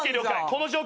この状況